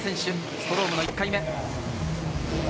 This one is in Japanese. ストロームの１回目。